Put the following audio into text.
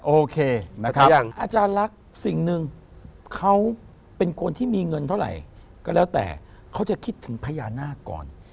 โอเคนะครับอย่างอาจารย์ลักษณ์สิ่งหนึ่งเขาเป็นคนที่มีเงินเท่าไหร่ก็แล้วแต่เขาจะคิดถึงพญานาคก่อน